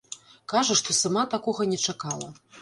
Кажа, што сама такога не чакала.